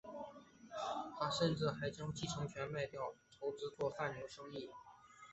他甚至还将继承权卖掉筹资做贩牛生意。